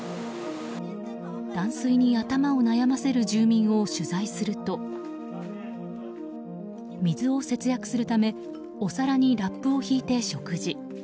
断水に頭を悩ませる住民を取材すると水を節約するためお皿にラップを引いて食事。